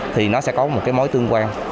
thì nó sẽ có một cái mối tương quan